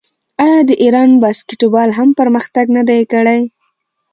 آیا د ایران باسکیټبال هم پرمختګ نه دی کړی؟